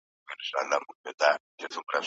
ستاسو غږ د ژبې راتلونکی دی.